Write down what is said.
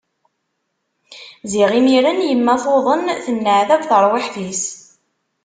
Ziɣ imiren yemma tuḍen, tenneɛtab terwiḥt-is.